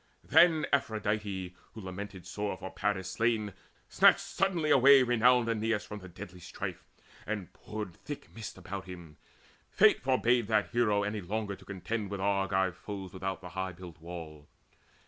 Then Aphrodite, who lamented sore For Paris slain, snatched suddenly away Renowned Aeneas from the deadly strife, And poured thick mist about him. Fate forbade That hero any longer to contend With Argive foes without the high built wall.